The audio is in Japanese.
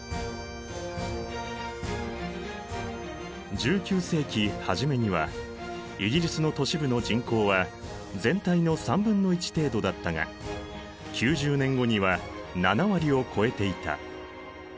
１９世紀初めにはイギリスの都市部の人口は全体の1/3程度だったが９０年後には７割を超えていた。